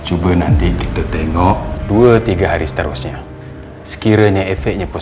oh nanti kita cari sama sama ya